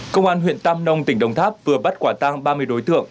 công an huyện tam nông tỉnh đồng tháp vừa bắt quả tang ba mươi đối tượng